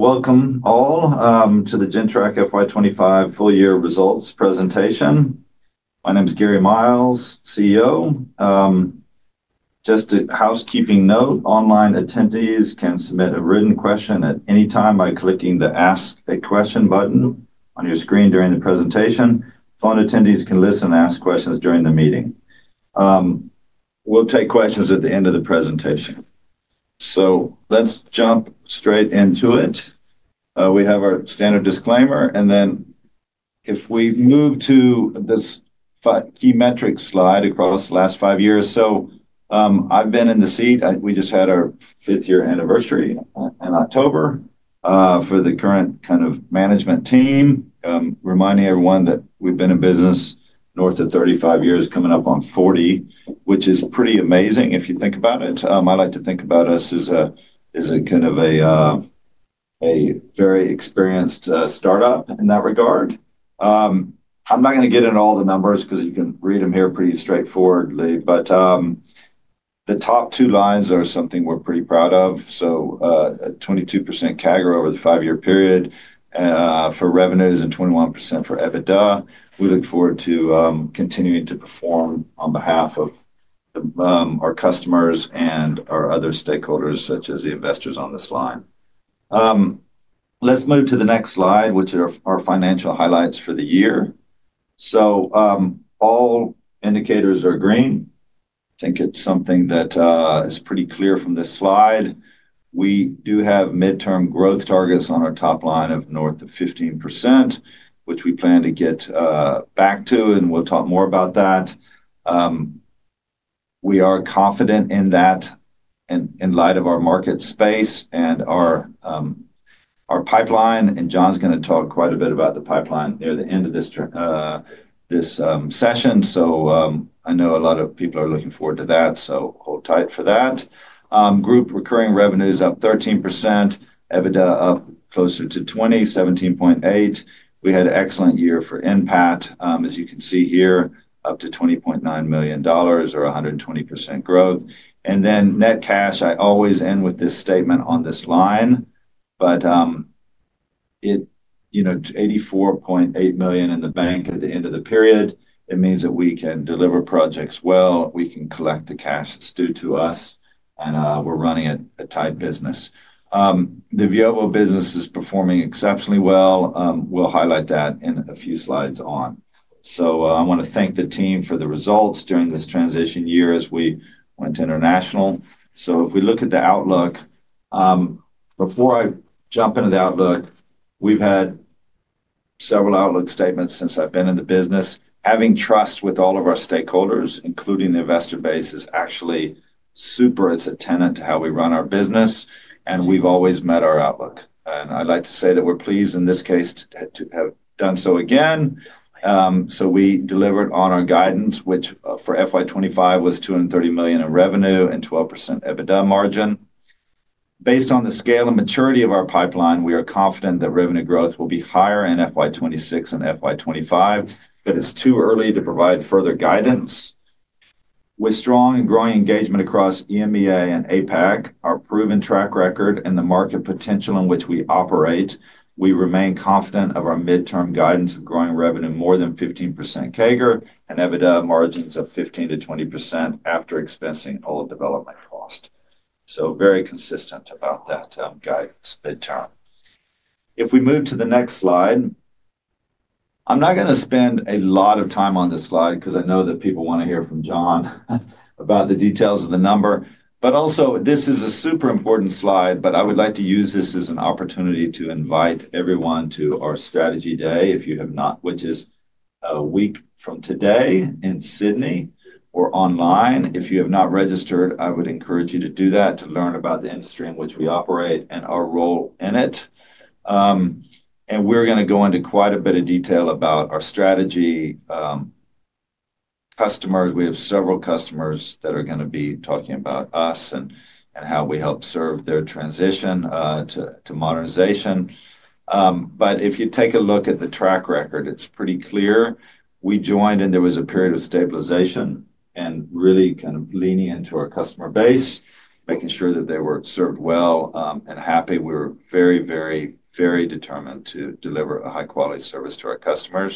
Welcome all to the Gentrack FY 2025 full-year results presentation. My name is Gary Miles, CEO. Just a housekeeping note: online attendees can submit a written question at any time by clicking the Ask a Question button on your screen during the presentation. Phone attendees can listen and ask questions during the meeting. We'll take questions at the end of the presentation. So let's jump straight into it. We have our standard disclaimer, and then if we move to this key metric slide across the last five years. So I've been in the seat. We just had our fifth-year anniversary in October for the current kind of management team. Reminding everyone that we've been in business north of 35 years, coming up on 40, which is pretty amazing if you think about it. I like to think about us as a kind of a very experienced startup in that regard. I'm not going to get into all the numbers because you can read them here pretty straightforwardly, but the top two lines are something we're pretty proud of. So 22% CAGR over the five-year period for revenues and 21% for EBITDA. We look forward to continuing to perform on behalf of our customers and our other stakeholders, such as the investors on this line. Let's move to the next slide, which are our financial highlights for the year. So all indicators are green. I think it's something that is pretty clear from this slide. We do have mid-term growth targets on our top line of north of 15%, which we plan to get back to, and we'll talk more about that. We are confident in that in light of our market space and our pipeline, and John's going to talk quite a bit about the pipeline near the end of this session. So I know a lot of people are looking forward to that, so hold tight for that. Group recurring revenues up 13%, EBITDA up closer to 20%, 17.8%. We had an excellent year for NPAT, as you can see here, up to $20.9 million or 120% growth. And then net cash, I always end with this statement on this line, but 84.8 million in the bank at the end of the period. It means that we can deliver projects well. We can collect the cash that's due to us, and we're running a tight business. The Veovo business is performing exceptionally well. We'll highlight that in a few slides on. I want to thank the team for the results during this transition year as we went international. If we look at the outlook, before I jump into the outlook, we've had several outlook statements since I've been in the business. Having trust with all of our stakeholders, including the investor base, is actually super attendant to how we run our business, and we've always met our outlook. I'd like to say that we're pleased, in this case, to have done so again. We delivered on our guidance, which for FY 2025 was 230 million in revenue and 12% EBITDA margin. Based on the scale and maturity of our pipeline, we are confident that revenue growth will be higher in FY 2026 and FY 2025, but it's too early to provide further guidance. With strong and growing engagement across EMEA and APAC, our proven track record, and the market potential in which we operate, we remain confident of our mid-term guidance of growing revenue more than 15% CAGR and EBITDA margins of 15%-20% after expensing all development cost. So very consistent about that guidance mid-term. If we move to the next slide, I'm not going to spend a lot of time on this slide because I know that people want to hear from John about the details of the number, but also this is a super important slide, but I would like to use this as an opportunity to invite everyone to our strategy day, if you have not, which is a week from today in Sydney or online. If you have not registered, I would encourage you to do that to learn about the industry in which we operate and our role in it, and we're going to go into quite a bit of detail about our strategy. Customers, we have several customers that are going to be talking about us and how we help serve their transition to modernization, but if you take a look at the track record, it's pretty clear. We joined and there was a period of stabilization and really kind of leaning into our customer base, making sure that they were served well and happy. We were very, very, very determined to deliver a high-quality service to our customers.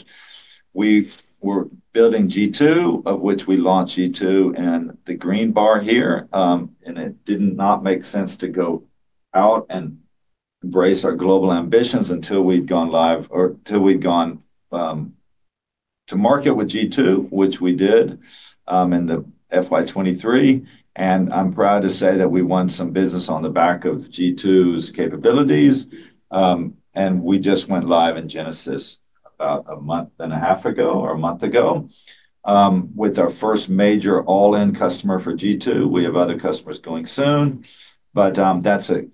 We were building G2, of which we launched G2 and the green bar here, and it did not make sense to go out and embrace our global ambitions until we'd gone live or until we'd gone to market with G2, which we did in the FY 2023. I'm proud to say that we won some business on the back of G2's capabilities, and we just went live in Genesis about a month and a half ago or a month ago with our first major all-in customer for G2. We have other customers going soon, but that's a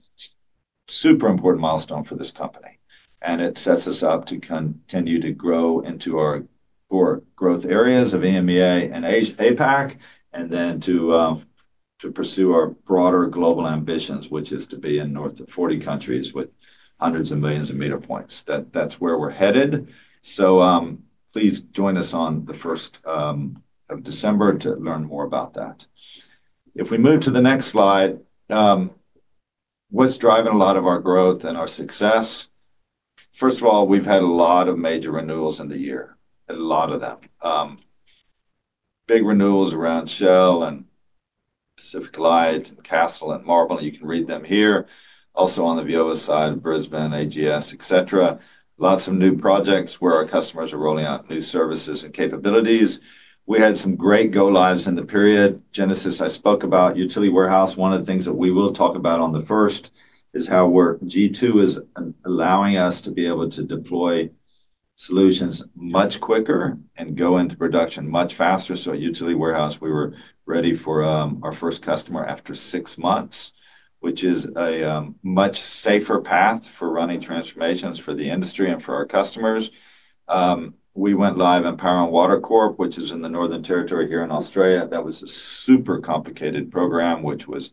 super important milestone for this company, and it sets us up to continue to grow into our core growth areas of EMEA and APAC, and then to pursue our broader global ambitions, which is to be in north of 40 countries with hundreds of millions of meter points. That's where we're headed. So please join us on the 1st of December to learn more about that. If we move to the next slide, what's driving a lot of our growth and our success? First of all, we've had a lot of major renewals in the year, a lot of them. Big renewals around Shell and PacificLight and Castle and Marble. You can read them here. Also on the Veovo side, Brisbane, AGS, et cetera. Lots of new projects where our customers are rolling out new services and capabilities. We had some great go-lives in the period. Genesis, I spoke about Utility Warehouse. One of the things that we will talk about on the 1st is how G2 is allowing us to be able to deploy solutions much quicker and go into production much faster. So Utility Warehouse, we were ready for our first customer after six months, which is a much safer path for running transformations for the industry and for our customers. We went live in Power and Water Corp, which is in the Northern Territory here in Australia. That was a super complicated program, which was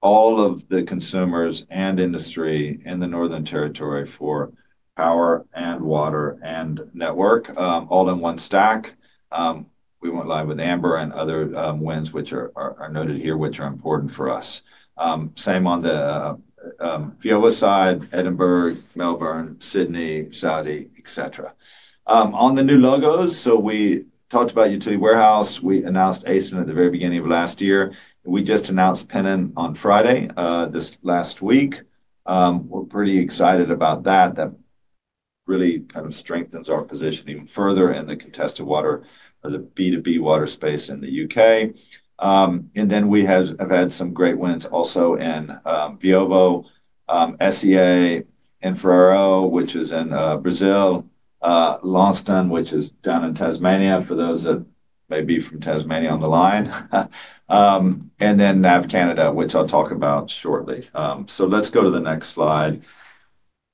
all of the consumers and industry in the Northern Territory for power and water and network, all in one stack. We went live with Amber and other wins, which are noted here, which are important for us. Same on the Veovo side, Edinburgh, Melbourne, Sydney, Saudi, et cetera. On the new logos, so we talked about Utility Warehouse. We announced Essent at the very beginning of last year. We just announced Pennon on Friday this last week. We're pretty excited about that. That really kind of strengthens our position even further in the contested water or the B2B water space in the U.K. And then we have had some great wins also in VO, SEA, Infraero, which is in Brazil, Launceston, which is down in Tasmania for those that may be from Tasmania on the line, and then NAV CANADA, which I'll talk about shortly. So let's go to the next slide.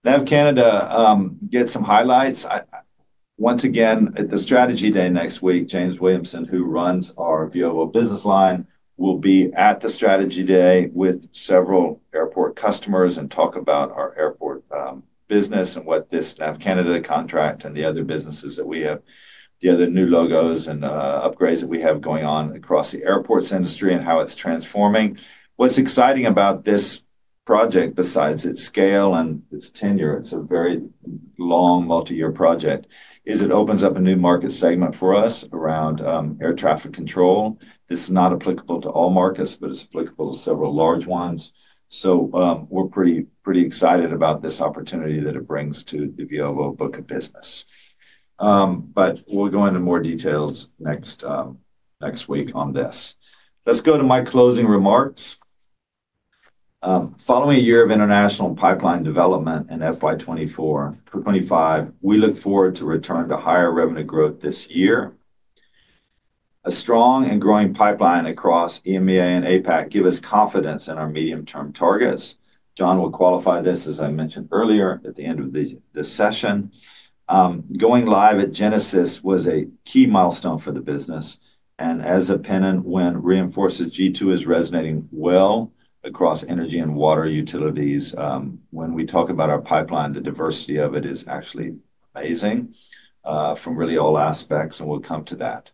NAV CANADA gets some highlights. Once again, at the strategy day next week, James Williamson, who runs our VO business line, will be at the strategy day with several airport customers and talk about our airport business and what this NAV CANADA contract and the other businesses that we have, the other new logos and upgrades that we have going on across the airports industry and how it's transforming. What's exciting about this project, besides its scale and its tenure, it's a very long multi-year project, is that it opens up a new market segment for us around air traffic control. This is not applicable to all markets, but it's applicable to several large ones. So we're pretty excited about this opportunity that it brings to the Veovo book of business. But we'll go into more details next week on this. Let's go to my closing remarks. Following a year of international pipeline development in FY 2024 for 2025, we look forward to a return to higher revenue growth this year. A strong and growing pipeline across EMEA and APAC gives us confidence in our medium-term targets. John will qualify this, as I mentioned earlier, at the end of this session. Going live at Genesis was a key milestone for the business, and as a Pennon win, it reinforces G2 is resonating well across energy and water utilities. When we talk about our pipeline, the diversity of it is actually amazing from really all aspects, and we'll come to that.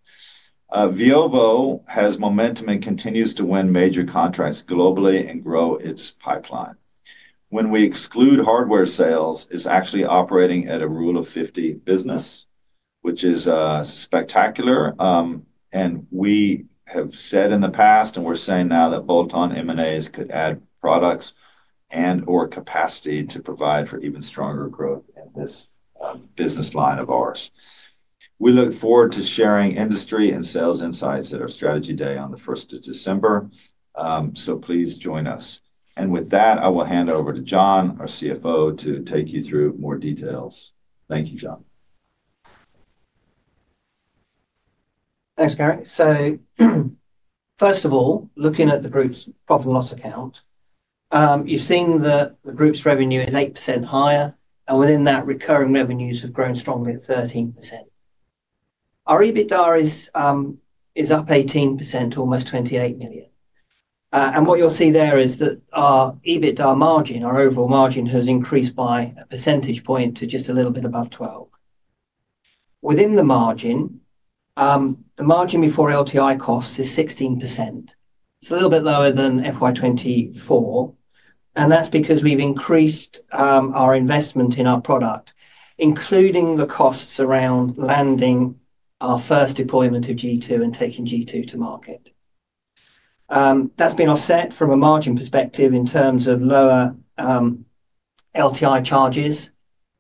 Veovo has momentum and continues to win major contracts globally and grow its pipeline. When we exclude hardware sales, it's actually operating at a Rule of 50 business, which is spectacular. And we have said in the past, and we're saying now that bolt-on M&As could add products and/or capacity to provide for even stronger growth in this business line of ours. We look forward to sharing industry and sales insights at our strategy day on the 1st of December. So please join us. And with that, I will hand over to John, our CFO, to take you through more details. Thank you, John. Thanks, Gary. So first of all, looking at the group's profit and loss account, you've seen that the group's revenue is 8% higher, and within that, recurring revenues have grown strongly at 13%. Our EBITDA is up 18% to almost 28 million. And what you'll see there is that our EBITDA margin, our overall margin, has increased by a percentage point to just a little bit above 12%. Within the margin, the margin before LTI costs is 16%. It's a little bit lower than FY 2024, and that's because we've increased our investment in our product, including the costs around landing our first deployment of G2 and taking G2 to market. That's been offset from a margin perspective in terms of lower LTI charges.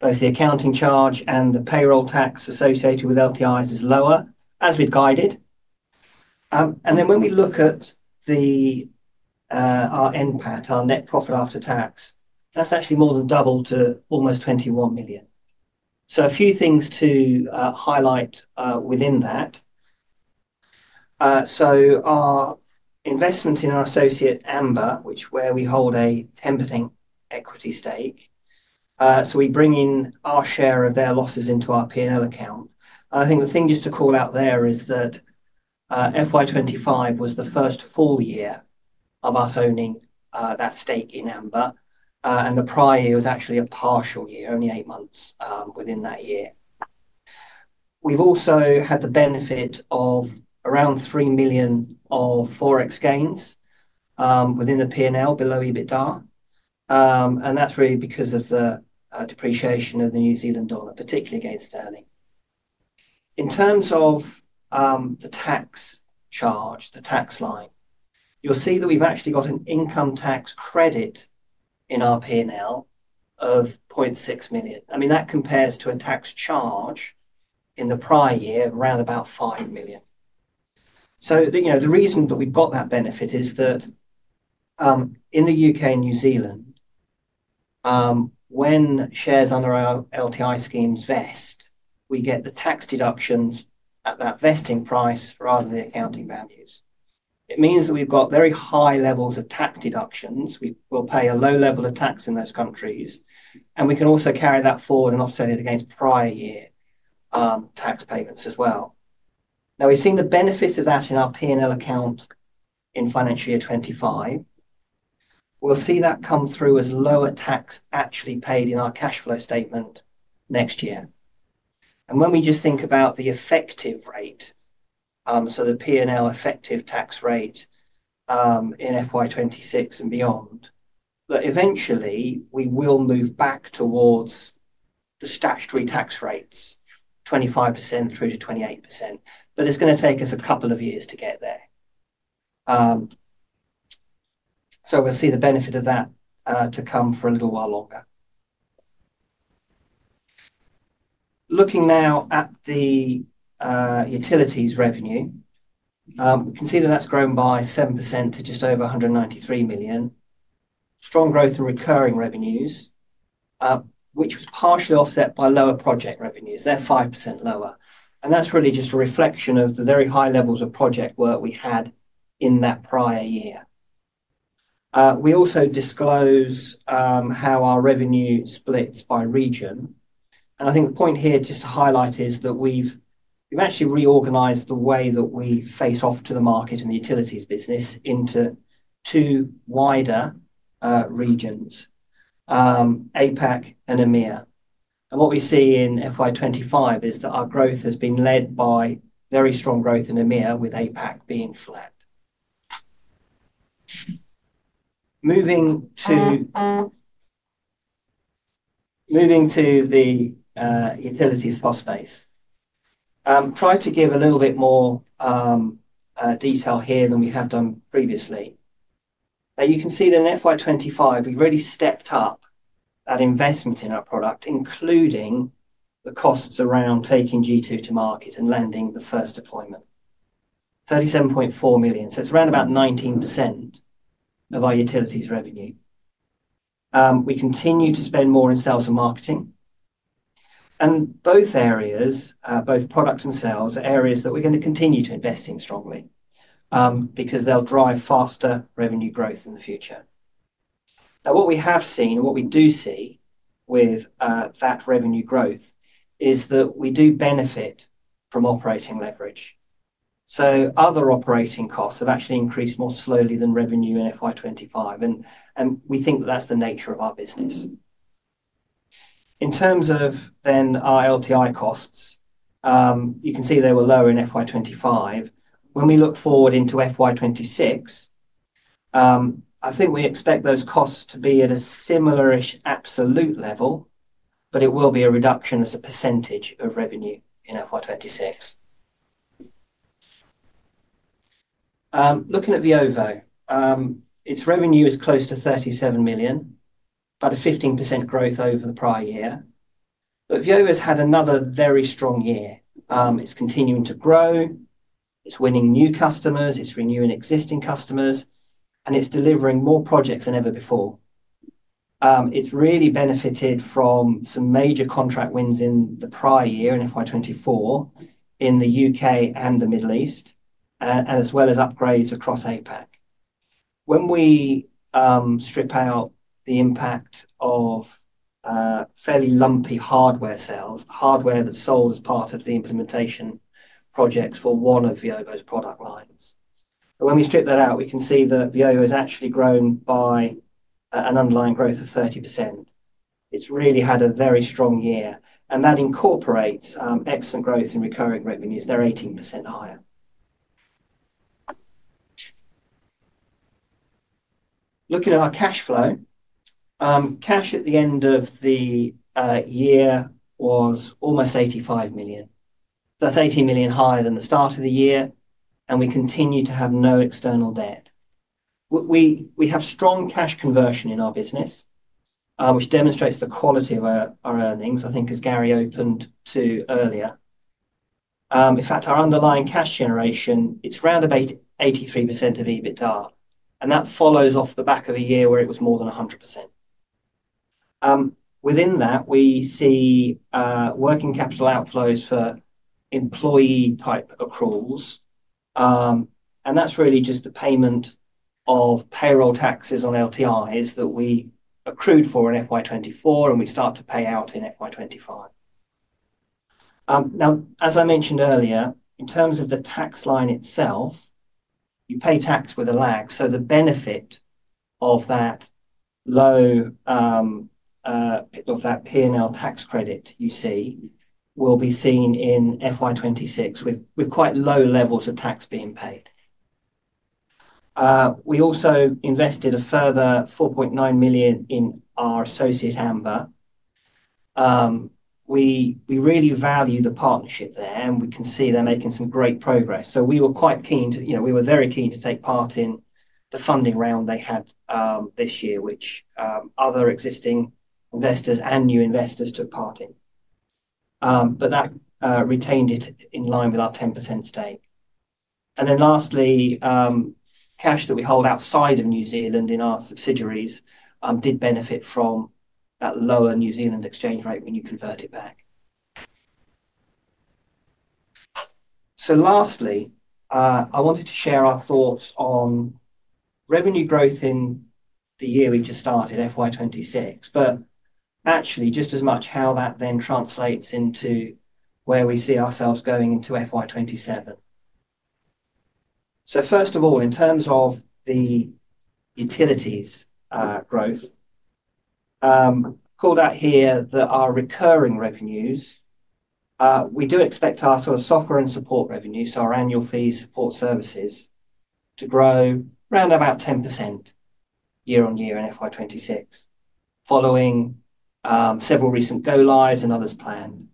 Both the accounting charge and the payroll tax associated with LTIs is lower, as we've guided. And then when we look at our NPAT, our net profit after tax, that's actually more than double to almost 21 million. So a few things to highlight within that. So our investment in our associate Amber, which is where we hold a 10% equity stake, so we bring in our share of their losses into our P&L account. And I think the thing just to call out there is that FY 2025 was the first full year of us owning that stake in Amber, and the prior year was actually a partial year, only eight months within that year. We've also had the benefit of around 3 million of forex gains within the P&L below EBITDA, and that's really because of the depreciation of the New Zealand dollar, particularly against Sterling. In terms of the tax charge, the tax line, you'll see that we've actually got an income tax credit in our P&L of 0.6 million. I mean, that compares to a tax charge in the prior year of around about 5 million. So the reason that we've got that benefit is that in the UK and New Zealand, when shares under our LTI schemes vest, we get the tax deductions at that vesting price rather than the accounting values. It means that we've got very high levels of tax deductions. We will pay a low level of tax in those countries, and we can also carry that forward and offset it against prior year tax payments as well. Now, we've seen the benefit of that in our P&L account in financial year 2025. We'll see that come through as lower tax actually paid in our cash flow statement next year. When we just think about the effective rate, so the P&L effective tax rate in FY 2026 and beyond, that eventually we will move back towards the statutory tax rates, 25% through to 28%, but it's going to take us a couple of years to get there. We'll see the benefit of that to come for a little while longer. Looking now at the utilities revenue, we can see that that's grown by 7% to just over 193 million. Strong growth in recurring revenues, which was partially offset by lower project revenues. They're 5% lower. That's really just a reflection of the very high levels of project work we had in that prior year. We also disclose how our revenue splits by region. I think the point here just to highlight is that we've actually reorganized the way that we face off to the market in the utilities business into two wider regions, APAC and EMEA. And what we see in FY 2025 is that our growth has been led by very strong growth in EMEA with APAC being flat. Moving to the utilities cost base, I'm trying to give a little bit more detail here than we have done previously. Now, you can see that in FY 2025, we've really stepped up that investment in our product, including the costs around taking G2 to market and landing the first deployment, 37.4 million. So it's around about 19% of our utilities revenue. We continue to spend more in sales and marketing. And both areas, both product and sales, are areas that we're going to continue to invest in strongly because they'll drive faster revenue growth in the future. Now, what we have seen and what we do see with that revenue growth is that we do benefit from operating leverage. So other operating costs have actually increased more slowly than revenue in FY 2025, and we think that that's the nature of our business. In terms of then our LTI costs, you can see they were lower in FY 2025. When we look forward into FY 2026, I think we expect those costs to be at a similarish absolute level, but it will be a reduction as a percentage of revenue in FY 2026. Looking at Veovo, its revenue is close to 37 million, about a 15% growth over the prior year. But Veovo has had another very strong year. It's continuing to grow. It's winning new customers. It's renewing existing customers, and it's delivering more projects than ever before. It's really benefited from some major contract wins in the prior year in FY 2024 in the U.K. and the Middle East, as well as upgrades across APAC. When we strip out the impact of fairly lumpy hardware sales, hardware that sold as part of the implementation projects for one of Veovo's product lines. When we strip that out, we can see that Veovo has actually grown by an underlying growth of 30%. It's really had a very strong year, and that incorporates excellent growth in recurring revenues. They're 18% higher. Looking at our cash flow, cash at the end of the year was almost 85 million. That's 18 million higher than the start of the year, and we continue to have no external debt. We have strong cash conversion in our business, which demonstrates the quality of our earnings, I think, as Gary opened to earlier. In fact, our underlying cash generation, it's round about 83% of EBITDA, and that follows off the back of a year where it was more than 100%. Within that, we see working capital outflows for employee-type accruals, and that's really just the payment of payroll taxes on LTIs that we accrued for in FY 2024, and we start to pay out in FY 2025. Now, as I mentioned earlier, in terms of the tax line itself, you pay tax with a lag. So the benefit of that low P&L tax credit you see will be seen in FY 2026 with quite low levels of tax being paid. We also invested a further 4.9 million in our associate Amber. We really value the partnership there, and we can see they're making some great progress, so we were quite keen to, we were very keen to take part in the funding round they had this year, which other existing investors and new investors took part in, but that retained it in line with our 10% stake, and then lastly, cash that we hold outside of New Zealand in our subsidiaries did benefit from that lower New Zealand exchange rate when you convert it back, so lastly, I wanted to share our thoughts on revenue growth in the year we just started, FY 2026, but actually just as much how that then translates into where we see ourselves going into FY 2027. So first of all, in terms of the utilities growth, I've called out here that our recurring revenues, we do expect our sort of software and support revenues, our annual fees, support services to grow around about 10% year on year in FY 2026, following several recent go-lives and others planned.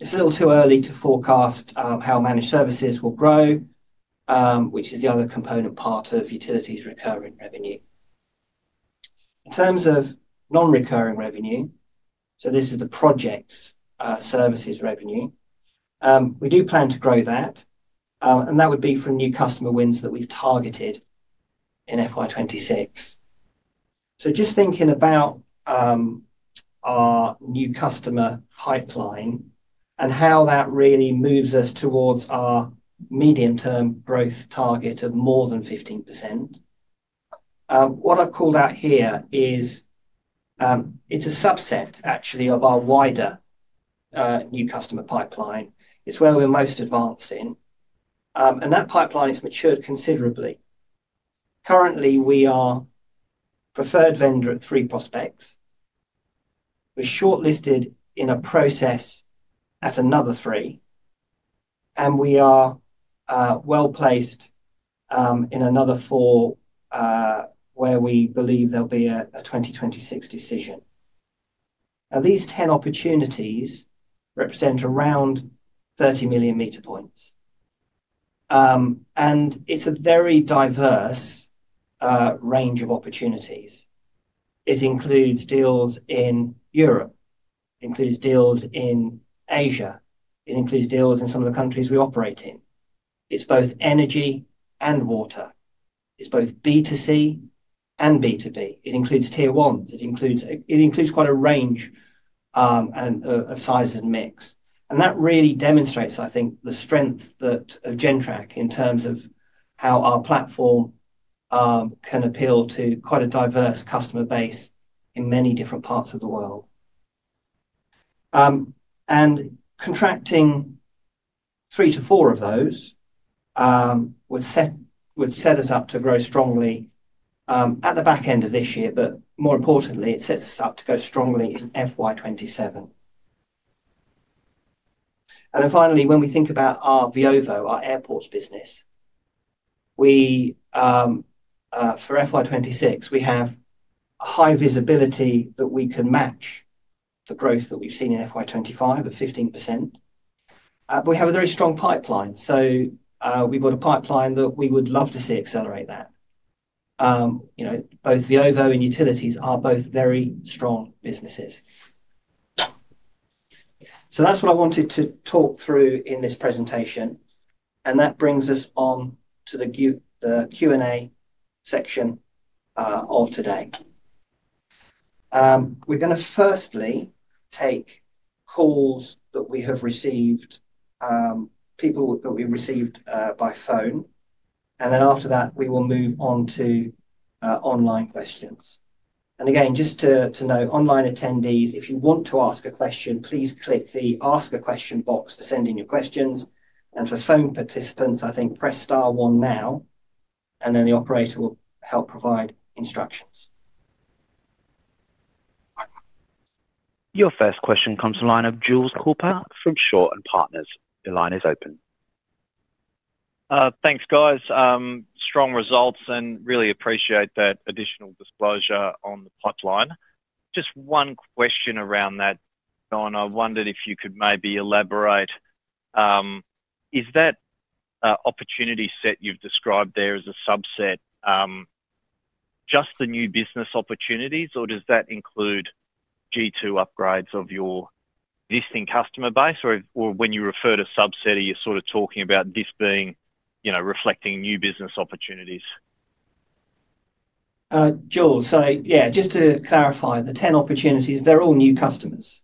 It's a little too early to forecast how managed services will grow, which is the other component part of utilities recurring revenue. In terms of non-recurring revenue, so this is the projects services revenue, we do plan to grow that, and that would be from new customer wins that we've targeted in FY 2026. So just thinking about our new customer pipeline and how that really moves us towards our medium-term growth target of more than 15%. What I've called out here is it's a subset, actually, of our wider new customer pipeline. It's where we're most advanced in, and that pipeline has matured considerably. Currently, we are a preferred vendor at three prospects. We're shortlisted in a process at another three, and we are well placed in another four where we believe there'll be a 2026 decision. Now, these 10 opportunities represent around 30 million meter points, and it's a very diverse range of opportunities. It includes deals in Europe. It includes deals in Asia. It includes deals in some of the countries we operate in. It's both energy and water. It's both B2C and B2B. It includes Tier 1s. It includes quite a range of sizes and mix. And that really demonstrates, I think, the strength of Gentrack in terms of how our platform can appeal to quite a diverse customer base in many different parts of the world. Contracting three to four of those would set us up to grow strongly at the back end of this year, but more importantly, it sets us up to go strongly in FY 2027. And then finally, when we think about our Veovo, our airports business, for FY 2026, we have a high visibility that we can match the growth that we've seen in FY 2025 of 15%. But we have a very strong pipeline, so we've got a pipeline that we would love to see accelerate that. Both Veovo and utilities are both very strong businesses. So that's what I wanted to talk through in this presentation, and that brings us on to the Q&A section of today. We're going to firstly take calls that we have received, people that we've received by phone, and then after that, we will move on to online questions. And again, just to note, online attendees, if you want to ask a question, please click the ask a question box to send in your questions. And for phone participants, I think press star one now, and then the operator will help provide instructions. Your first question comes to the line of Jules Cooper from Shaw and Partners. Your line is open. Thanks, guys. Strong results and really appreciate that additional disclosure on the pipeline. Just one question around that, John. I wondered if you could maybe elaborate. Is that opportunity set you've described there as a subset just the new business opportunities, or does that include G2 upgrades of your existing customer base? Or when you refer to subset, are you sort of talking about this being reflecting new business opportunities? Jules, so yeah, just to clarify, the 10 opportunities, they're all new customers.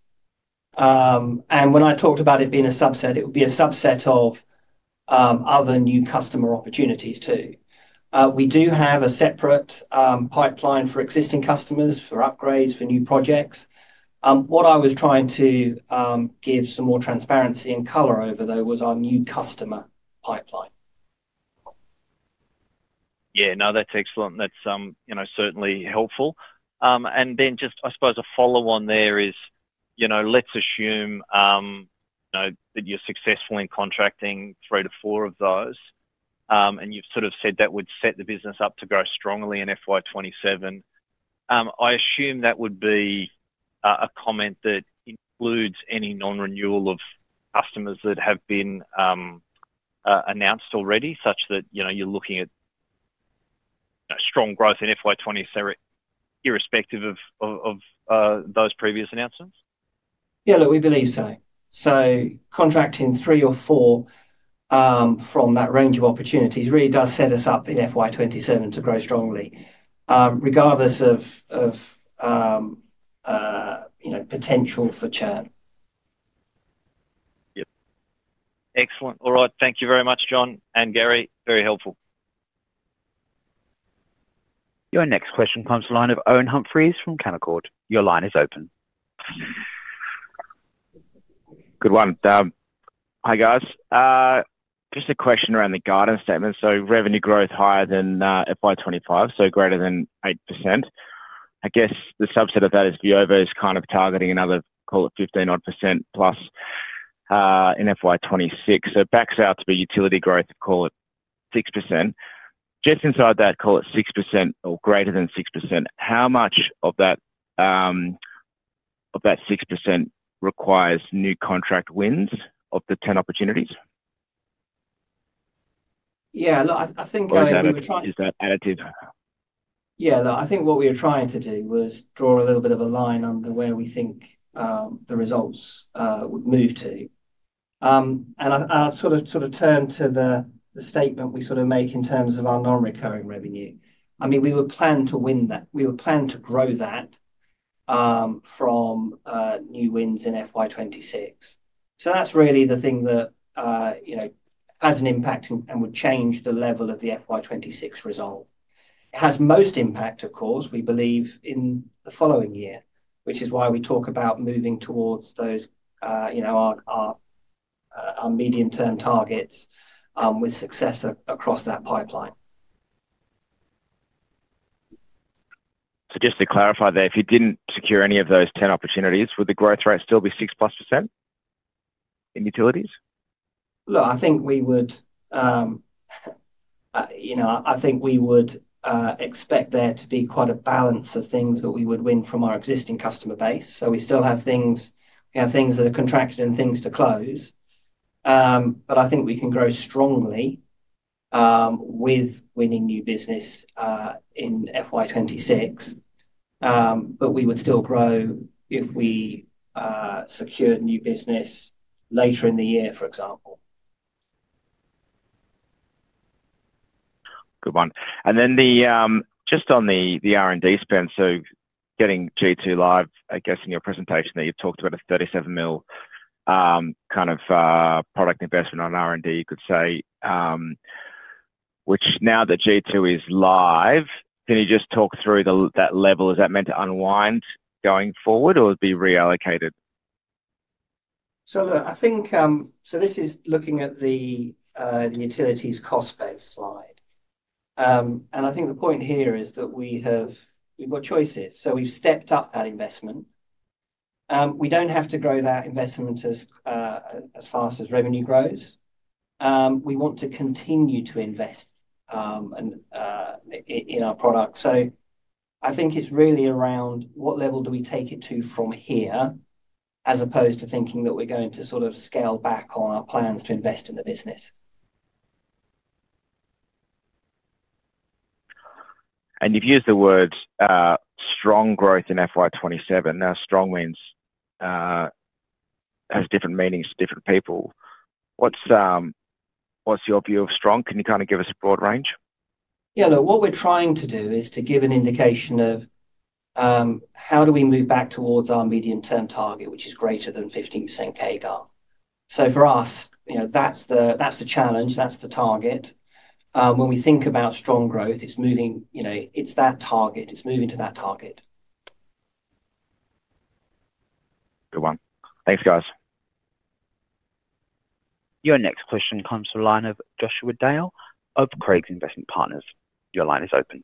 And when I talked about it being a subset, it would be a subset of other new customer opportunities too. We do have a separate pipeline for existing customers for upgrades, for new projects. What I was trying to give some more transparency and color over, though, was our new customer pipeline. Yeah, no, that's excellent. That's certainly helpful. And then just, I suppose, a follow-on there is let's assume that you're successful in contracting three to four of those, and you've sort of said that would set the business up to grow strongly in FY 2027. I assume that would be a comment that includes any non-renewal of customers that have been announced already, such that you're looking at strong growth in FY 2027 irrespective of those previous announcements? Yeah, look, we believe so. So contracting three or four from that range of opportunities really does set us up in FY 2027 to grow strongly, regardless of potential for churn. Yeah. Excellent. All right. Thank you very much, John and Gary. Very helpful. Your next question comes to the line of Owen Humphries from Canaccord. Your line is open. Good one. Hi, guys. Just a question around the guidance statement. So revenue growth higher than FY 2025, so greater than 8%. I guess the subset of that is Veovo is kind of targeting another, call it 15-odd%+ in FY 2026. So it backs out to be utility growth, call it 6%. Just inside that, call it 6% or greater than 6%. How much of that 6% requires new contract wins of the 10 opportunities? Is that additive? Yeah, look, I think what we were trying to do was draw a little bit of a line under where we think the results would move to. And I'll sort of turn to the statement we sort of make in terms of our non-recurring revenue. I mean, we were planned to win that. We were planned to grow that from new wins in FY 2026. So that's really the thing that has an impact and would change the level of the FY 2026 result. It has most impact, of course, we believe, in the following year, which is why we talk about moving towards those medium-term targets with success across that pipeline. So just to clarify there, if you didn't secure any of those 10 opportunities, would the growth rate still be 6+% in utilities? Look, I think we would expect there to be quite a balance of things that we would win from our existing customer base. So we still have things that are contracted and things to close. But I think we can grow strongly with winning new business in FY 2026, but we would still grow if we secured new business later in the year, for example. Good one. And then just on the R&D spend, so getting G2 live, I guess in your presentation that you've talked about a 37 million kind of product investment on R&D, you could say, which now that G2 is live, can you just talk through that level? Is that meant to unwind going forward, or it'd be reallocated? So look, I think this is looking at the utilities cost base slide. And I think the point here is that we've got choices. So we've stepped up that investment. We don't have to grow that investment as fast as revenue grows. We want to continue to invest in our product. So I think it's really around what level do we take it to from here as opposed to thinking that we're going to sort of scale back on our plans to invest in the business. And you've used the word strong growth in FY 2027. Now, strong means has different meanings to different people. What's your view of strong? Can you kind of give us a broad range? Yeah, look, what we're trying to do is to give an indication of how do we move back towards our medium-term target, which is greater than 15% CAGR. So for us, that's the challenge. That's the target. When we think about strong growth, it's moving. It's that target. It's moving to that target. Good one. Thanks, guys. Your next question comes to the line of Joshua Dale, Oak Creek Investment Partners. Your line is open.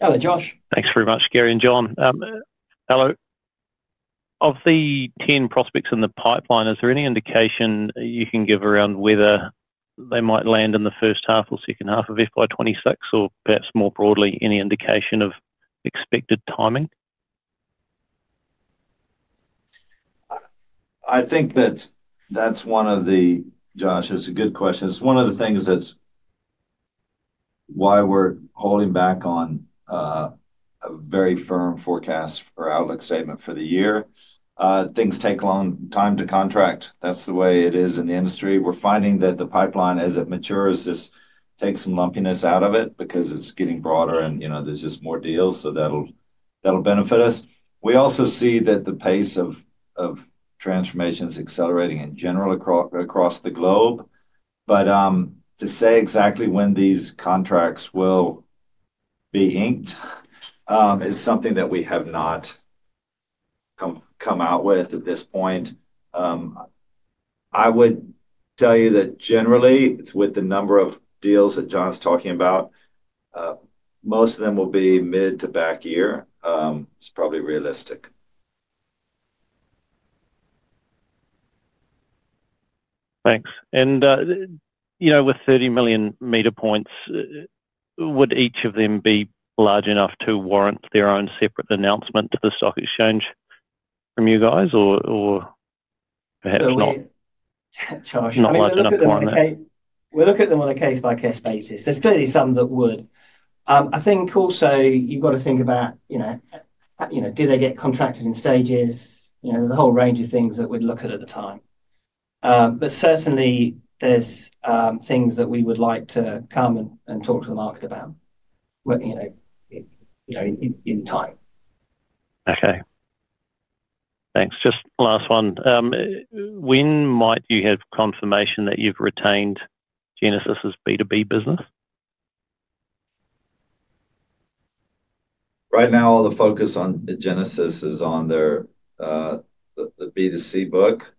Hello, Josh. Thanks very much, Gary and John. Hello. Of the ten prospects in the pipeline, is there any indication you can give around whether they might land in the first half or second half of FY 2026, or perhaps more broadly, any indication of expected timing? Josh, it's a good question. It's one of the things that's why we're holding back on a very firm forecast or outlook statement for the year. Things take a long time to contract. That's the way it is in the industry. We're finding that the pipeline, as it matures, just takes some lumpiness out of it because it's getting broader and there's just more deals, so that'll benefit us. We also see that the pace of transformation is accelerating in general across the globe. But to say exactly when these contracts will be inked is something that we have not come out with at this point. I would tell you that generally, with the number of deals that John's talking about, most of them will be mid to back year. It's probably realistic. Thanks. And with 30 million meter points, would each of them be large enough to warrant their own separate announcement to the stock exchange from you guys, or perhaps not? Josh, not large enough to warrant it. We'll look at them on a case-by-case basis. There's clearly some that would. I think also, you've got to think about, do they get contracted in stages? There's a whole range of things that we'd look at at the time. But certainly, there's things that we would like to come and talk to the market about in time. Okay. Thanks. Just last one. When might you have confirmation that you've retained Genesis's B2B business? Right now, all the focus on Genesis is on the B2C book.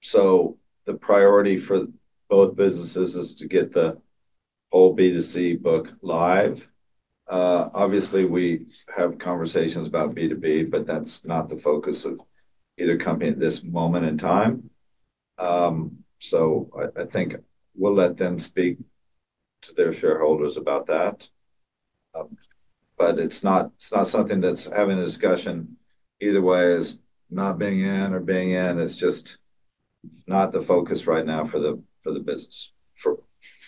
So the priority for both businesses is to get the whole B2C book live. Obviously, we have conversations about B2B, but that's not the focus of either company at this moment in time. So I think we'll let them speak to their shareholders about that. But it's not something that's having a discussion either way. It's not being in or being out. It's just not the focus right now for the business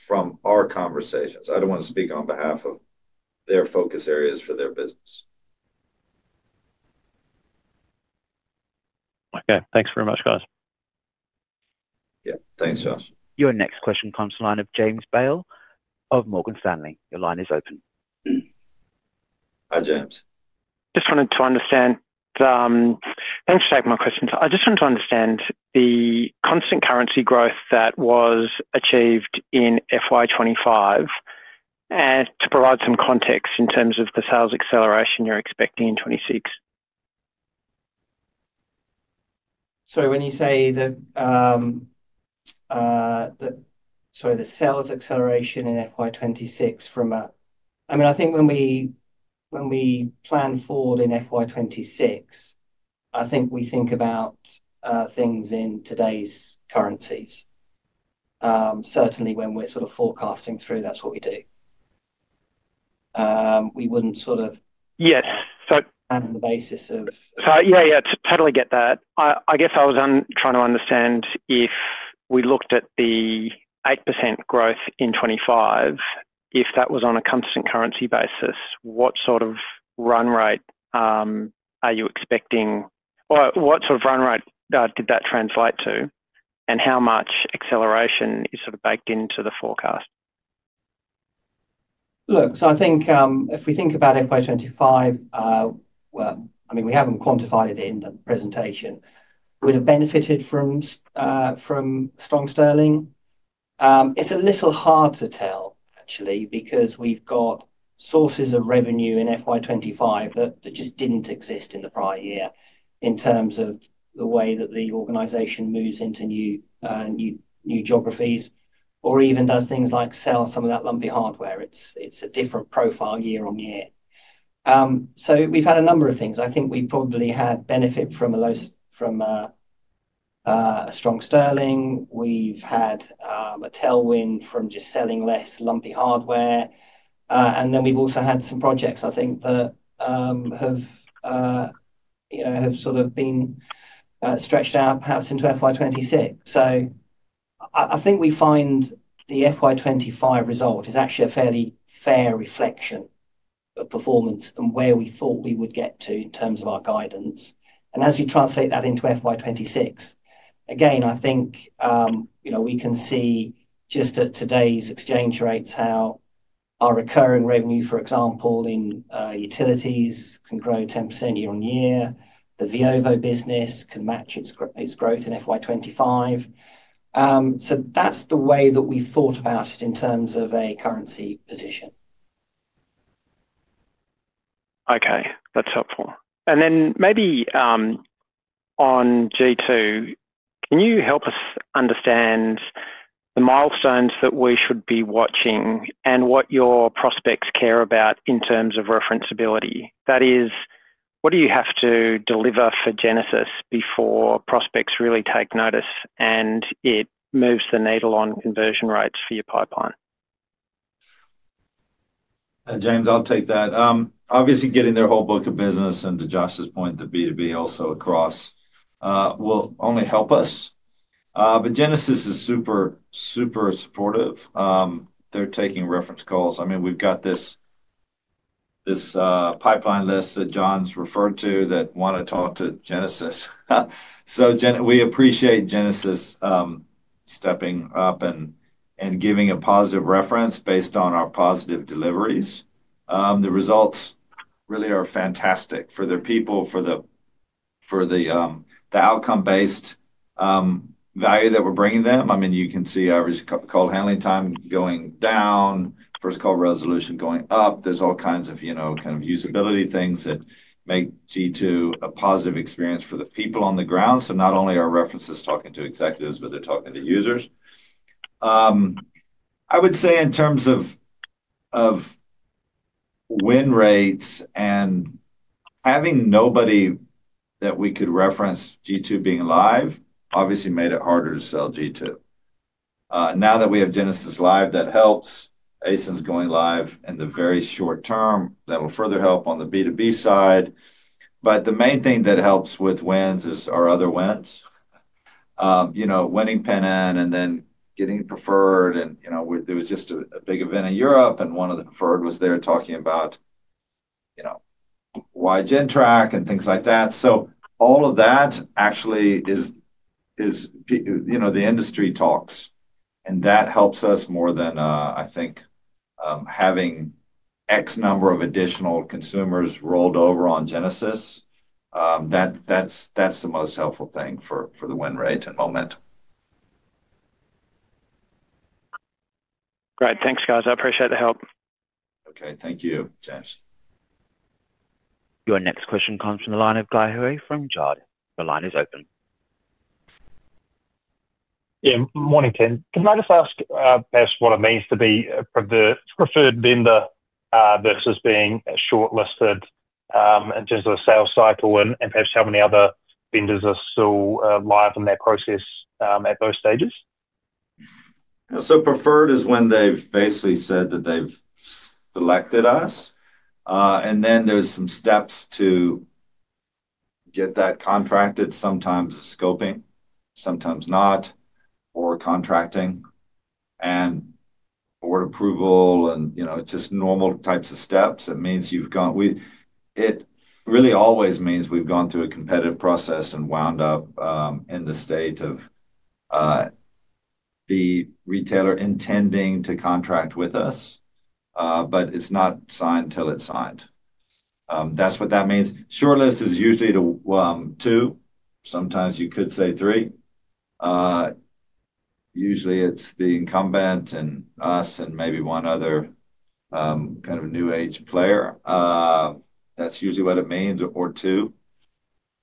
from our conversations. I don't want to speak on behalf of their focus areas for their business. Okay. Thanks very much, guys. Yeah. Thanks, Josh. Your next question comes to the line of James Bales of Morgan Stanley. Your line is open. Hi, James. Just wanted to understand, thanks for taking my question. I just wanted to understand the constant currency growth that was achieved in FY 2025 and to provide some context in terms of the sales acceleration you're expecting in '26. So when you say that, sorry, the sales acceleration in FY 2026 from a, I mean, I think when we plan forward in FY 2026, I think we think about things in today's currencies. Certainly, when we're sort of forecasting through, that's what we do. We wouldn't sort of and the basis of. So yeah, yeah, totally get that. I guess I was trying to understand if we looked at the 8% growth in 2025, if that was on a constant currency basis, what sort of run rate are you expecting, or what sort of run rate did that translate to, and how much acceleration is sort of baked into the forecast? Look, so I think if we think about FY 2025, well, I mean, we haven't quantified it in the presentation, would have benefited from strong sterling. It's a little hard to tell, actually, because we've got sources of revenue in FY 2025 that just didn't exist in the prior year in terms of the way that the organization moves into new geographies or even does things like sell some of that lumpy hardware. It's a different profile year on year. So we've had a number of things. I think we probably had benefit from a strong sterling. We've had a tailwind from just selling less lumpy hardware, and then we've also had some projects, I think, that have sort of been stretched out, perhaps into FY 2026. I think we find the FY 2025 result is actually a fairly fair reflection of performance and where we thought we would get to in terms of our guidance. As we translate that into FY 2026, again, I think we can see just at today's exchange rates how our recurring revenue, for example, in utilities can grow 10% year on year. The Veovo business can match its growth in FY 2025. That's the way that we've thought about it in terms of a currency position. Okay. That's helpful. Then maybe on G2, can you help us understand the milestones that we should be watching and what your prospects care about in terms of referenceability? That is, what do you have to deliver for Genesis before prospects really take notice and it moves the needle on conversion rates for your pipeline? James, I'll take that. Obviously, getting their whole book of business and to Josh's point, the B2B also across will only help us. But Genesis is super, super supportive. They're taking reference calls. I mean, we've got this pipeline list that John's referred to that want to talk to Genesis. So we appreciate Genesis stepping up and giving a positive reference based on our positive deliveries. The results really are fantastic for their people, for the outcome-based value that we're bringing them. I mean, you can see our call handling time going down, first call resolution going up. There's all kinds of usability things that make G2 a positive experience for the people on the ground. So not only are references talking to executives, but they're talking to users. I would say in terms of win rates and having nobody that we could reference G2 being live, obviously made it harder to sell G2. Now that we have Genesis live, that helps. ASIN's going live in the very short term. That'll further help on the B2B side. But the main thing that helps with wins is our other wins. Winning Pennon and then getting preferred. And there was just a big event in Europe, and one of the preferred was there talking about Gentrack and things like that. So all of that actually is the industry talks. And that helps us more than, I think, having X number of additional consumers rolled over on Genesis. That's the most helpful thing for the win rate and momentum. Great. Thanks, guys. I appreciate the help. Okay. Thank you, James. Your next question comes from the line of Guy Hooper from Jarden. The line is open. Yeah. Morning, Tim. Can I just ask about what it means to be the preferred vendor versus being shortlisted in terms of the sales cycle and perhaps how many other vendors are still live in that process at those stages? So preferred is when they've basically said that they've selected us. And then there's some steps to get that contracted. Sometimes it's scoping, sometimes not, or contracting and board approval and just normal types of steps. It means you've gone. It really always means we've gone through a competitive process and wound up in the state of the retailer intending to contract with us, but it's not signed till it's signed. That's what that means. Shortlist is usually two. Sometimes you could say three. Usually, it's the incumbent and us and maybe one other kind of new age player. That's usually what it means, or two.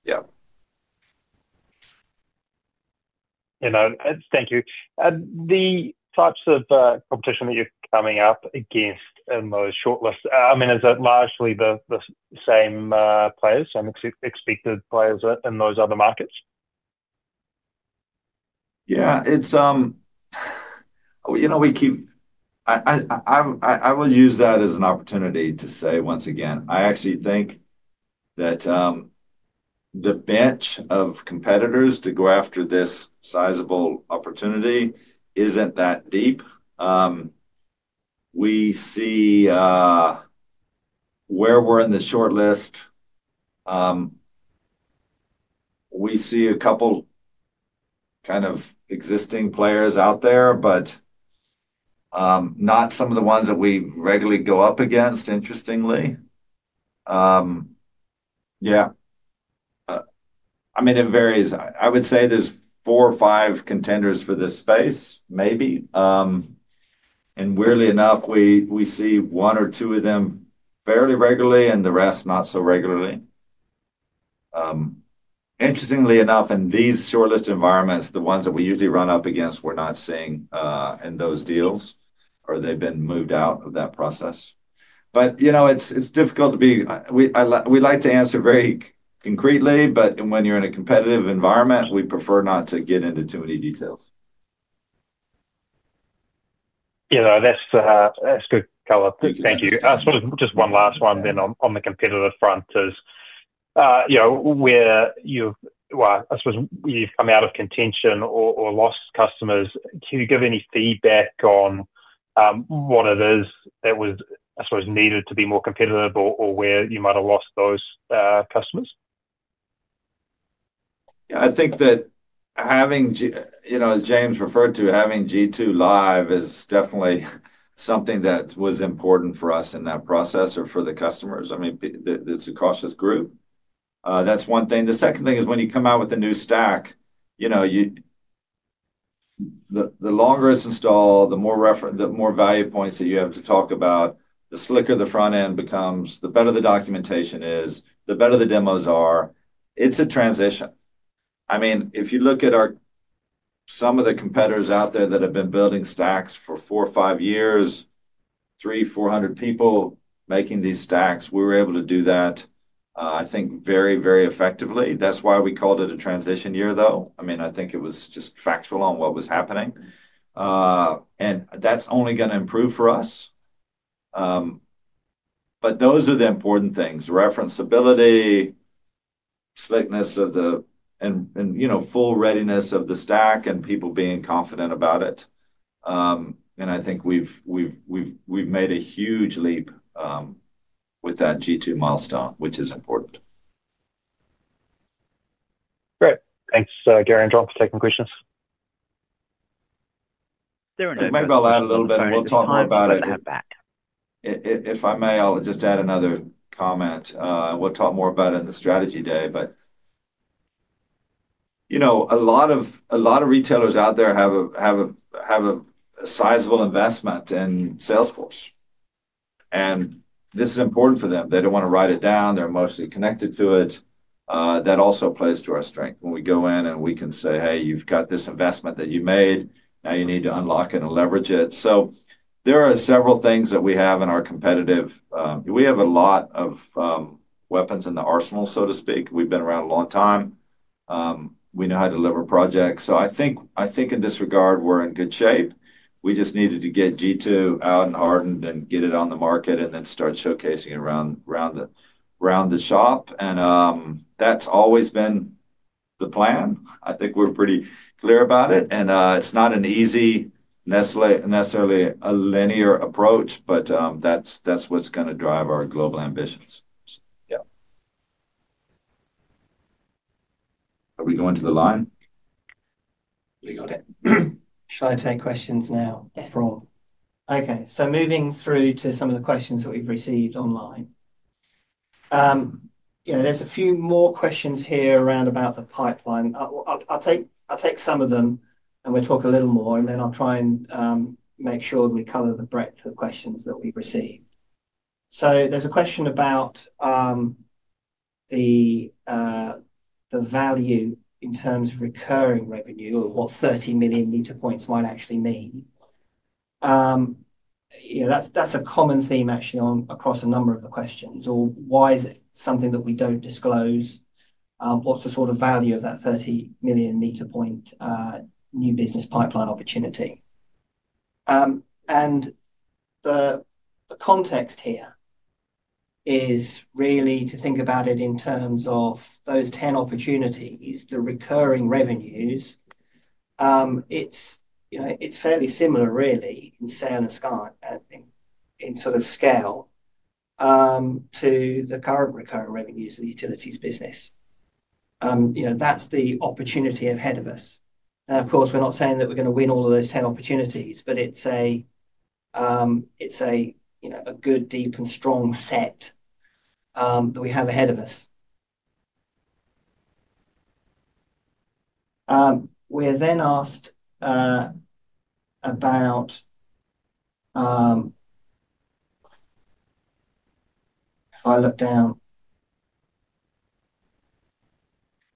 Yeah. Thank you. The types of competition that you're coming up against in those shortlists, I mean, is it largely the same players and expected players in those other markets? Yeah. We keep, I will use that as an opportunity to say once again, I actually think that the bench of competitors to go after this sizable opportunity isn't that deep. We see where we're in the shortlist. We see a couple kind of existing players out there, but not some of the ones that we regularly go up against, interestingly. Yeah. I mean, it varies. I would say there's four or five contenders for this space, maybe, and weirdly enough, we see one or two of them fairly regularly and the rest not so regularly. Interestingly enough, in these shortlist environments, the ones that we usually run up against, we're not seeing in those deals or they've been moved out of that process. But it's difficult to be. We like to answer very concretely, but when you're in a competitive environment, we prefer not to get into too many details. Yeah. That's good color. Thank you. I suppose just one last one then on the competitive front is where you've, well, I suppose you've come out of contention or lost customers. Can you give any feedback on what it is that was, I suppose, needed to be more competitive or where you might have lost those customers? I think that having, as James referred to, having G2 live is definitely something that was important for us in that process or for the customers. I mean, it's a cautious group. That's one thing. The second thing is when you come out with a new stack, the longer it's installed, the more value points that you have to talk about, the slicker the front end becomes, the better the documentation is, the better the demos are. It's a transition. I mean, if you look at some of the competitors out there that have been building stacks for four or five years, three, four hundred people making these stacks, we were able to do that, I think, very, very effectively. That's why we called it a transition year, though. I mean, I think it was just factual on what was happening. And that's only going to improve for us. But those are the important things: referenceability, slickness of the, and full readiness of the stack and people being confident about it. And I think we've made a huge leap with that G2 milestone, which is important. Great. Thanks, Gary and John, for taking questions. Maybe I'll add a little bit. We'll talk more about it. If I may, I'll just add another comment. We'll talk more about it in the strategy day, but a lot of retailers out there have a sizable investment in Salesforce, and this is important for them. They don't want to write it down. They're emotionally connected to it. That also plays to our strength when we go in and we can say, "Hey, you've got this investment that you made. Now you need to unlock it and leverage it, so there are several things that we have in our competitive." We have a lot of weapons in the arsenal, so to speak. We've been around a long time. We know how to deliver projects. So I think in this regard, we're in good shape. We just needed to get G2 out and hardened and get it on the market and then start showcasing it around the shop, and that's always been the plan. I think we're pretty clear about it, and it's not an easy, necessarily a linear approach, but that's what's going to drive our global ambitions. Yeah. Are we going to the line? We got it. Shall I take questions now? Yes. Okay, so moving through to some of the questions that we've received online. There's a few more questions here around about the pipeline. I'll take some of them, and we'll talk a little more, and then I'll try and make sure that we cover the breadth of questions that we've received, so there's a question about the value in terms of recurring revenue or what 30 million meter points might actually mean. That's a common theme, actually, across a number of the questions. Or why is it something that we don't disclose? What's the sort of value of that 30 million meter points new business pipeline opportunity? And the context here is really to think about it in terms of those 10 opportunities, the recurring revenues. It's fairly similar, really, in sale and scale, I think, in sort of scale to the current recurring revenues of the utilities business. That's the opportunity ahead of us. Now, of course, we're not saying that we're going to win all of those 10 opportunities, but it's a good, deep, and strong set that we have ahead of us. We're then asked about—if I look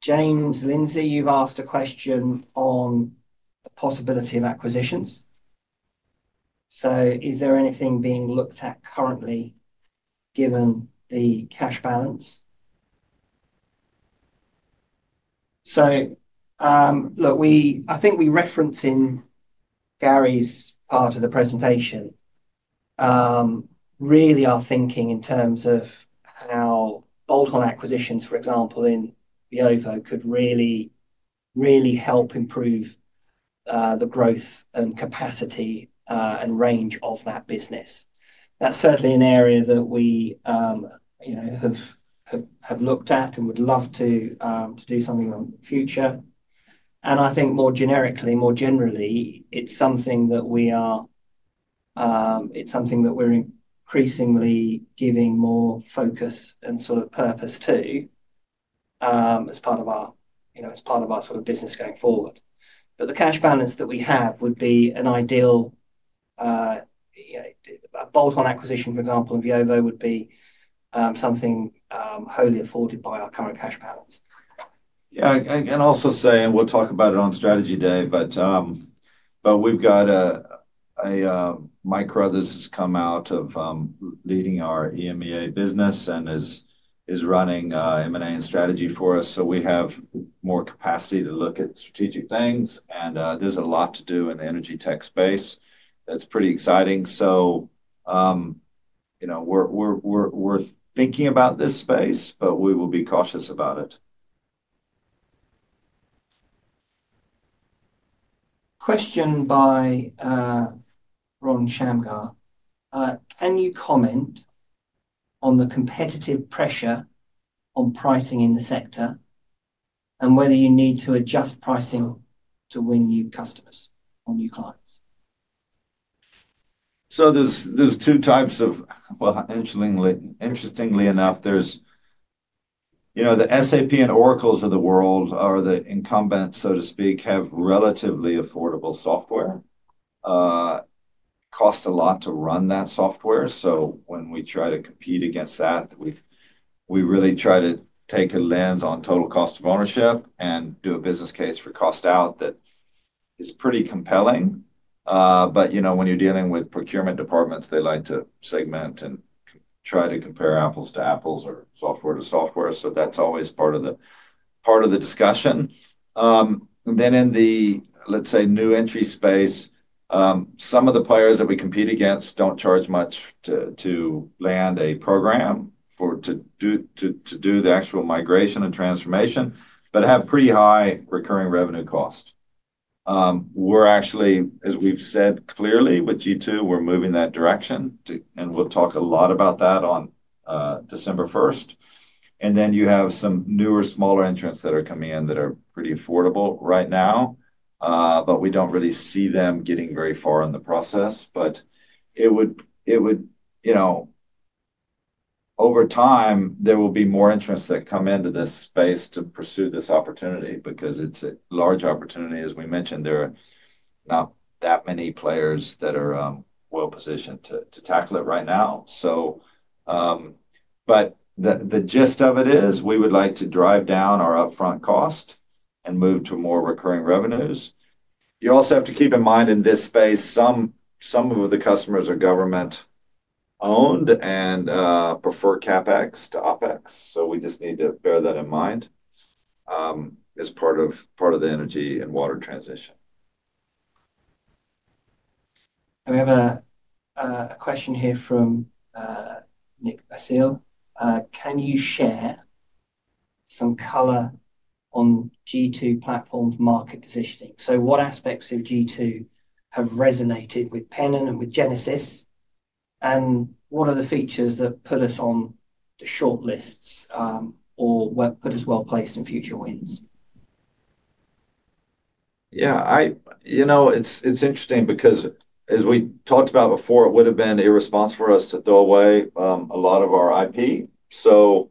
down—James Lindsay, you've asked a question on the possibility of acquisitions. So is there anything being looked at currently given the cash balance? So look, I think we referenced in Gary's part of the presentation really are thinking in terms of how bolt-on acquisitions, for example, in Veovo could really, really help improve the growth and capacity and range of that business. That's certainly an area that we have looked at and would love to do something on in the future. And I think more generically, more generally, it's something that we are, it's something that we're increasingly giving more focus and sort of purpose to as part of our, as part of our sort of business going forward. But the cash balance that we have would be an ideal bolt-on acquisition, for example, in Veovo would be something wholly afforded by our current cash balance. Yeah. And also, say, and we'll talk about it on strategy day, but we've got a micro that has come out of leading our EMEA business and is running M&A and strategy for us. So we have more capacity to look at strategic things. And there's a lot to do in the energy tech space. That's pretty exciting. So we're thinking about this space, but we will be cautious about it. Question by Ron Shamgar. Can you comment on the competitive pressure on pricing in the sector and whether you need to adjust pricing to win new customers or new clients? So there's two types of, well, interestingly enough, there's the SAP and Oracle of the world or the incumbents, so to speak, have relatively affordable software. Cost a lot to run that software. So when we try to compete against that, we really try to take a lens on total cost of ownership and do a business case for cost out that is pretty compelling. But when you're dealing with procurement departments, they like to segment and try to compare apples to apples or software to software. So that's always part of the discussion. Then in the, let's say, new entry space, some of the players that we compete against don't charge much to land a program to do the actual migration and transformation, but have pretty high recurring revenue cost. We're actually, as we've said clearly with G2, we're moving that direction. And we'll talk a lot about that on December 1st. And then you have some newer, smaller entrants that are coming in that are pretty affordable right now, but we don't really see them getting very far in the process. But it would, over time, there will be more entrants that come into this space to pursue this opportunity because it's a large opportunity. As we mentioned, there are not that many players that are well-positioned to tackle it right now. But the gist of it is we would like to drive down our upfront cost and move to more recurring revenues. You also have to keep in mind, in this space, some of the customers are government-owned and prefer CapEx to OpEx. So we just need to bear that in mind as part of the energy and water transition. And we have a question here from Nick Basile. Can you share some color on G2 platform market positioning? So what aspects of G2 have resonated with Pennon and with Genesis? And what are the features that put us on the shortlists or put us well placed in future wins? Yeah. It's interesting because as we talked about before, it would have been irresponsible for us to throw away a lot of our IP. So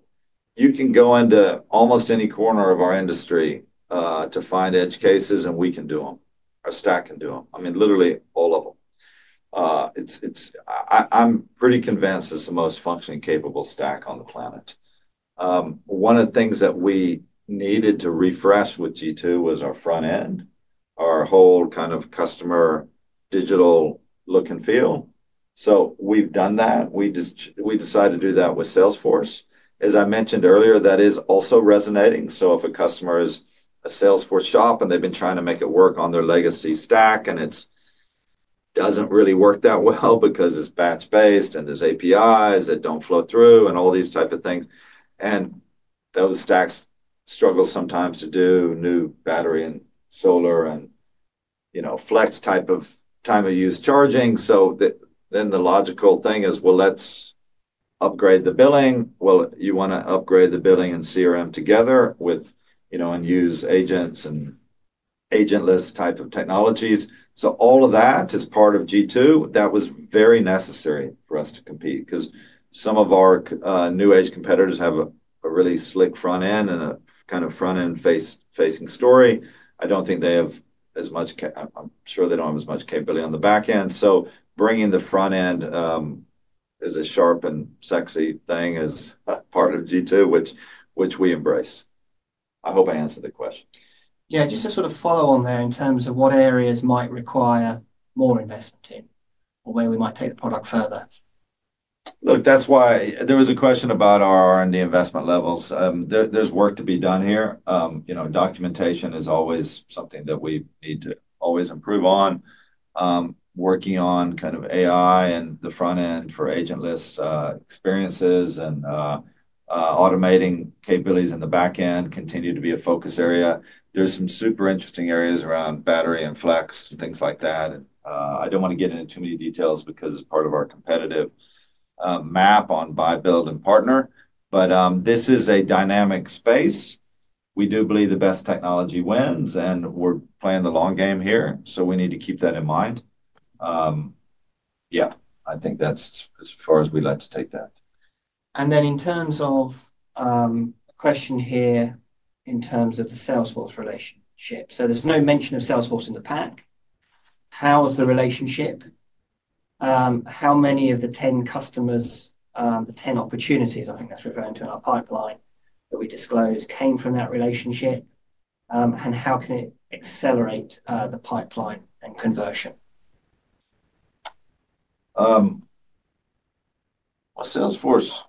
you can go into almost any corner of our industry to find edge cases, and we can do them. Our stack can do them. I mean, literally all of them. I'm pretty convinced it's the most functionally capable stack on the planet. One of the things that we needed to refresh with G2 was our front end, our whole kind of customer digital look and feel. So we've done that. We decided to do that with Salesforce. As I mentioned earlier, that is also resonating. So if a customer is a Salesforce shop and they've been trying to make it work on their legacy stack and it doesn't really work that well because it's batch-based and there's APIs that don't flow through and all these types of things. And those stacks struggle sometimes to do new battery and solar and flex type of time-of-use charging. So then the logical thing is, well, let's upgrade the billing. Well, you want to upgrade the billing and CRM together and use agents and agentless type of technologies. So all of that is part of G2. That was very necessary for us to compete because some of our new-age competitors have a really slick front end and a kind of front-end facing story. I don't think they have as much, I'm sure they don't have as much capability on the back end. So bringing the front end is a sharp and sexy thing as part of G2, which we embrace. I hope I answered the question. Yeah. Just to sort of follow on there in terms of what areas might require more investment in or where we might take the product further. Look, that's why there was a question about our R&D investment levels. There's work to be done here. Documentation is always something that we need to always improve on. Working on kind of AI and the front end for agentless experiences and automating capabilities in the back end continue to be a focus area. There's some super interesting areas around battery and flex and things like that. I don't want to get into too many details because it's part of our competitive map on buy-build and partner. But this is a dynamic space. We do believe the best technology wins, and we're playing the long game here. So we need to keep that in mind. Yeah. I think that's as far as we'd like to take that. And then in terms of a question here in terms of the Salesforce relationship. So there's no mention of Salesforce in the pack. How is the relationship? How many of the 10 customers, the 10 opportunities, I think that's referring to in our pipeline that we disclosed, came from that relationship? And how can it accelerate the pipeline and conversion? Well, Salesforce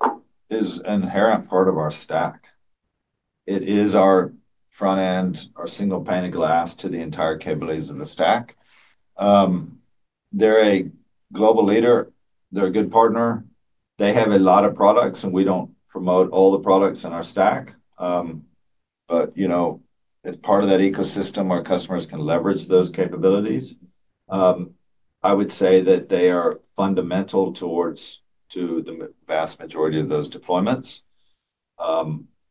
is an inherent part of our stack. It is our front end, our single pane of glass to the entire capabilities of the stack. They're a global leader. They're a good partner. They have a lot of products, and we don't promote all the products in our stack. But as part of that ecosystem, our customers can leverage those capabilities. I would say that they are fundamental towards the vast majority of those deployments.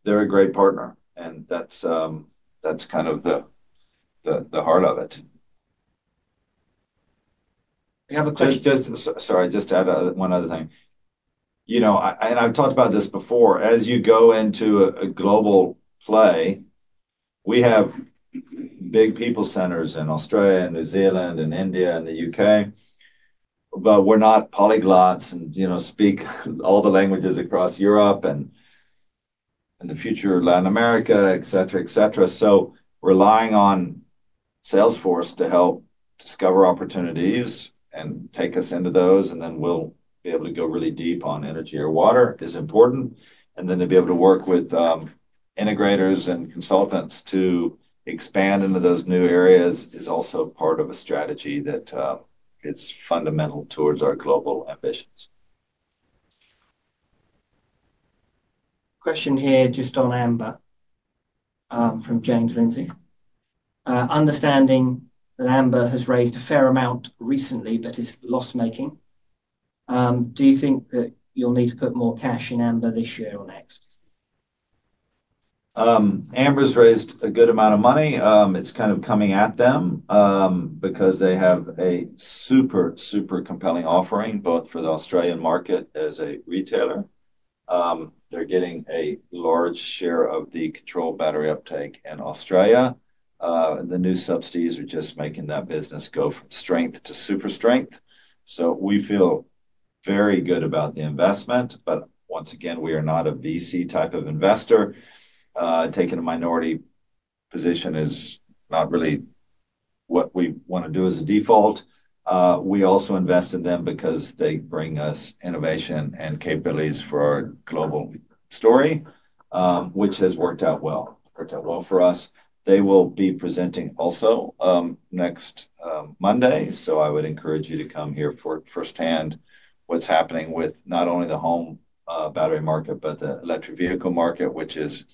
They're a great partner, and that's kind of the heart of it. We have a question. Sorry. Just add one other thing. And I've talked about this before. As you go into a global play, we have big people centers in Australia and New Zealand and India and the UK. But we're not polyglots and speak all the languages across Europe and in the future, Latin America, etc., etc. So relying on Salesforce to help discover opportunities and take us into those, and then we'll be able to go really deep on energy or water is important. And then to be able to work with integrators and consultants to expand into those new areas is also part of a strategy that is fundamental towards our global ambitions. Question here just on Amber from James Lindsay. Understanding that Amber has raised a fair amount recently, but it's loss-making. Do you think that you'll need to put more cash in Amber this year or next? Amber's raised a good amount of money. It's kind of coming at them because they have a super, super compelling offering both for the Australian market as a retailer. They're getting a large share of the control battery uptake in Australia. The new subsidies are just making that business go from strength to super strength. So we feel very good about the investment. But once again, we are not a VC type of investor. Taking a minority position is not really what we want to do as a default. We also invest in them because they bring us innovation and capabilities for our global story, which has worked out well. It's worked out well for us. They will be presenting also next Monday. So I would encourage you to come here for firsthand what's happening with not only the home battery market, but the electric vehicle market, which is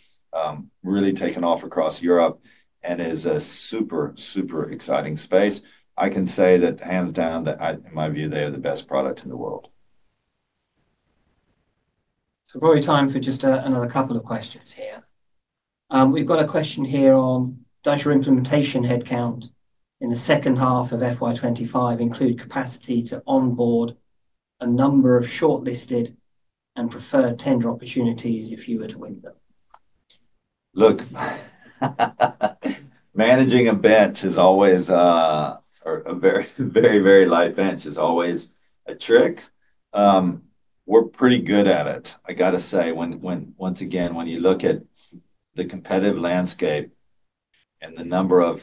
really taking off across Europe and is a super, super exciting space. I can say that hands down, in my view, they are the best product in the world. So probably time for just another couple of questions here. We've got a question here on, does your implementation headcount in the second half of FY 2025 include capacity to onboard a number of shortlisted and preferred tender opportunities if you were to win them? Look, managing a very light bench is always a trick. We're pretty good at it. I got to say, once again, when you look at the competitive landscape and the number of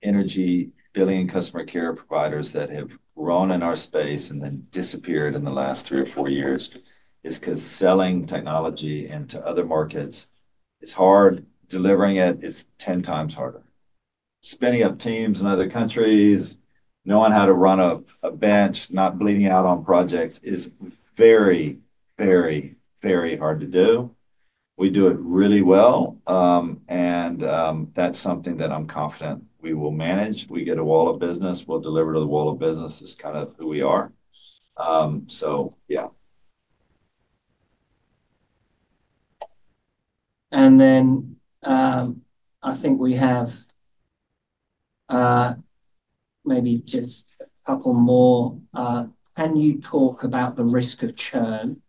energy billing and customer care providers that have grown in our space and then disappeared in the last three or four years, it's because selling technology into other markets is hard. Delivering it is 10 times harder. Spinning up teams in other countries, knowing how to run a bench, not bleeding out on projects is very, very, very hard to do. We do it really well. And that's something that I'm confident we will manage. We get a wall of business. We'll deliver to the wall of business. It's kind of who we are. So yeah. And then I think we have maybe just a couple more. Can you talk about the risk of churn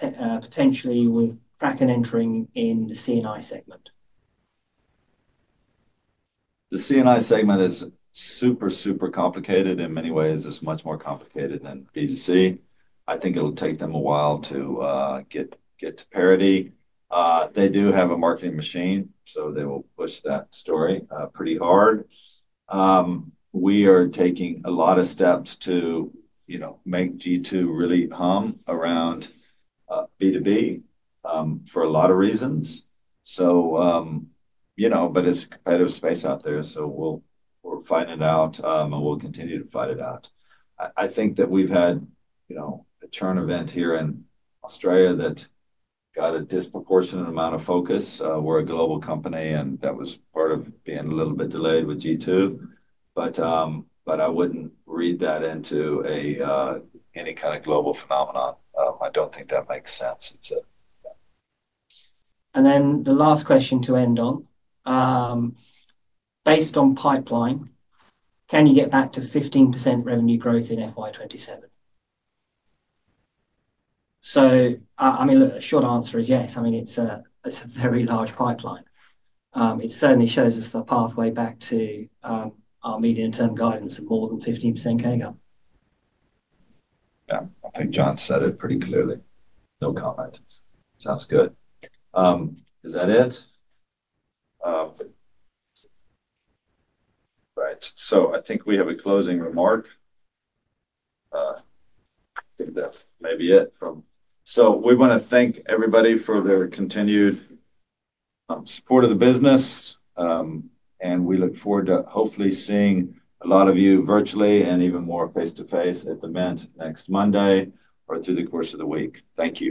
potentially with Kraken entering in the C&I segment? The C&I segment is super, super complicated in many ways. It's much more complicated than B2C. I think it'll take them a while to get to parity. They do have a marketing machine, so they will push that story pretty hard. We are taking a lot of steps to make G2 really hum around B2B for a lot of reasons. But it's a competitive space out there. So we're fighting it out, and we'll continue to fight it out. I think that we've had a churn event here in Australia that got a disproportionate amount of focus. We're a global company, and that was part of being a little bit delayed with G2. But I wouldn't read that into any kind of global phenomenon. I don't think that makes sense. And then the last question to end on. Based on pipeline, can you get back to 15% revenue growth in FY 2027? So I mean, look, a short answer is yes. I mean, it's a very large pipeline. It certainly shows us the pathway back to our medium-term guidance of more than 15% CAGR. Yeah. I think John said it pretty clearly. No comment. Sounds good. Is that it? Right. So I think we have a closing remark. I think that's maybe it from. So we want to thank everybody for their continued support of the business. And we look forward to hopefully seeing a lot of you virtually and even more face-to-face at the event next Monday or through the course of the week. Thank you.